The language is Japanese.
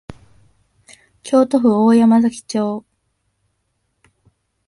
京都府大山崎町